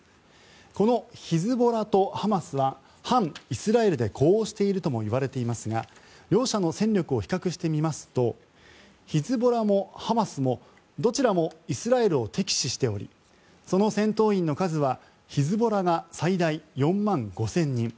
このヒズボラとハマスは反イスラエルで呼応しているともいわれていますが両者の戦力を比較してみますとヒズボラもハマスもどちらもイスラエルを敵視しておりその戦闘員の数はヒズボラが最大４万５０００人。